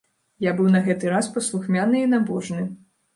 Я быў на гэты раз паслухмяны і набожны.